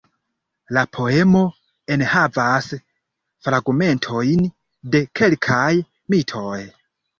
La poemo enhavas fragmentojn de kelkaj mitoj.